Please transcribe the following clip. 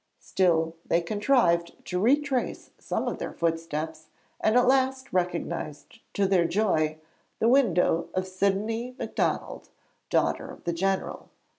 Still, they contrived to retrace some of their footsteps and at last recognised to their joy the window of Sidonie Macdonald, daughter of the general.